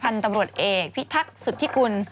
พันธุ์ตำรวจเอกพิทักษ์สุธิกุล